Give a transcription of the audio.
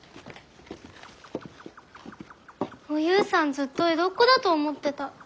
ずっと江戸っ子だと思ってた。